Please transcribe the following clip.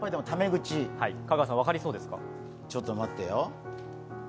ちょっと待ってよ。